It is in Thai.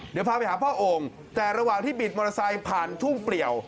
เดี๋ยวพาไปหาพ่อโอ่งแต่ระหว่างที่บิดมอเตอร์ไซค์ผ่านทุ่งเปลี่ยว